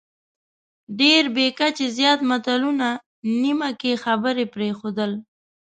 ډېر بې کچې زیات متلونه، نیمه کې خبرې پرېښودل،